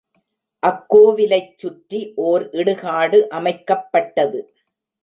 அக்கோவிலைச் சுற்றி ஓர் இடுகாடு அமைக்கப்பட்டது.